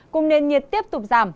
cùng nền nhiệt tiếp tục giảm